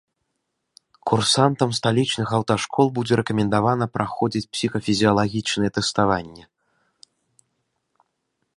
Курсантам сталічных аўташкол будзе рэкамендавана праходзіць псіхафізіалагічнае тэставанне.